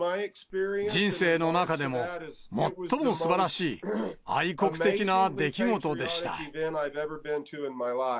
人生の中でも最もすばらしい愛国的な出来事でした。